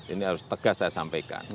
ini harus tegas saya sampaikan